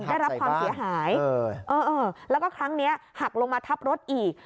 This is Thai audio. ได้รับความเสียหายแล้วก็ครั้งนี้หักลงมาทับรถอีก